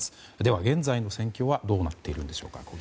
現在の戦況はどうなっているでしょうか。